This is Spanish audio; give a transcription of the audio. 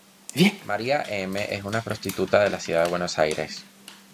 María M. es una prostituta de la Ciudad de Buenos Aires.